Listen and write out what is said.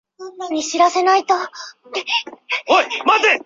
混沌确定系统是庞加莱在研究三体问题时第一次发现的。